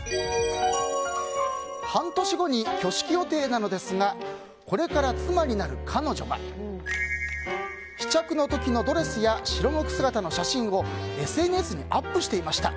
半年後に挙式予定なのですがこれから妻になる彼女が試着の時のドレスや白無垢姿の写真をＳＮＳにアップしていました。